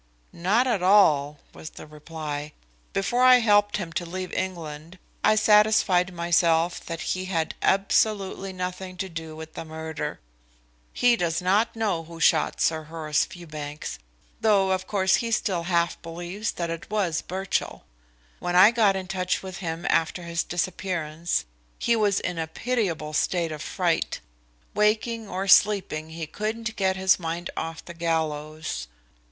"Not at all," was the reply. "Before I helped him to leave England I satisfied myself that he had absolutely nothing to do with the murder. He does not know who shot Sir Horace Fewbanks, though, of course, he still half believes that it was Birchill. When I got in touch with him after his disappearance he was in a pitiable state of fright waking or sleeping, he couldn't get his mind off the gallows.